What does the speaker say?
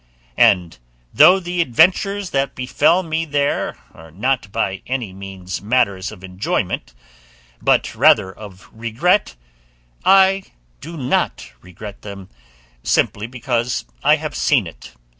And though the adventures that befell me there are not by any means matters of enjoyment, but rather of regret, I do not regret them, simply because I have seen it.